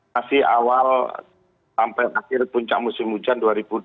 masih awal sampai akhir puncak musim hujan dua ribu dua puluh dua dua ribu dua puluh tiga